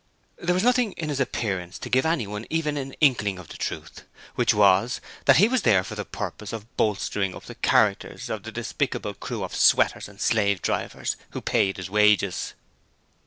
There was nothing in his appearance to give anyone even an inkling of the truth, which was: that he was there for the purpose of bolstering up the characters of the despicable crew of sweaters and slave drivers who paid his wages.